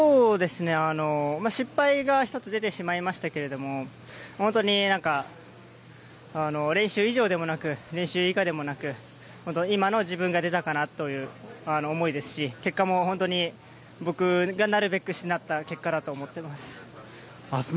失敗が１つ出てしまいましたけれども練習以上でもなく練習以下でもなく今の自分が出たかなという思いですし結果も僕がなるべくしてなった結果だと思っています。